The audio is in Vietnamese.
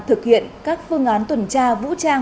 thực hiện các phương án tuần tra vũ trang